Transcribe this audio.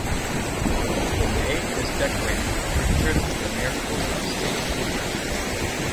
The nave is decorated with pictures of the miracles of Saint Rupert.